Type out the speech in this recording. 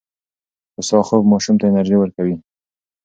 هوسا خوب ماشوم ته انرژي ورکوي.